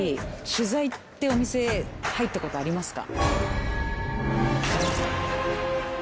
取材ってお店入った事ありますか？